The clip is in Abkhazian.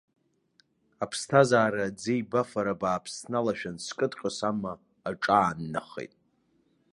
Аԥсҭазаара ӡеибафара бааԥс сналашәан, скыдҟьо сама аҿаанахеит.